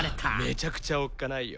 めちゃくちゃ、おっかないよ。